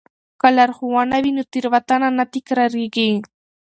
که لارښوونه وي نو تېروتنه نه تکراریږي.